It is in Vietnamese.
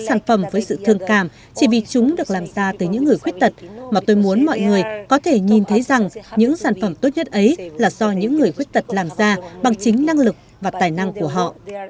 các sản phẩm với sự thương cảm chỉ vì chúng được làm ra từ những người khuyết tật mà tôi muốn mọi người có thể nhìn thấy rằng những sản phẩm tốt nhất ấy là do những người khuyết tật làm ra bằng chính năng lực và tài năng của họ